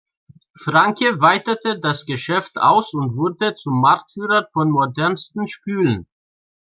Franke weitete das Geschäft aus und wurde zum Marktführer von modernsten Spülen.